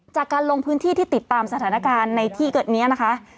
จากการลงพื้นที่ที่ติดตามสถานการณ์ในที่เกิดนี้นะคะ